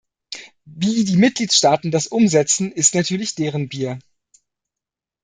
Wie die Mitgliedstaaten das umsetzen, ist natürlich deren Bier.